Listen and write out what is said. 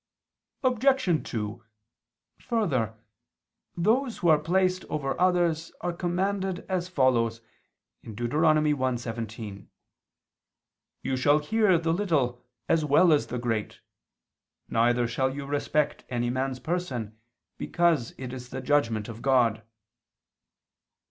Obj. 2: Further, those who are placed over others are commanded as follows (Deut. 1:17): "You shall hear the little as well as the great; neither shall you respect any man's person, because it is the judgment of God."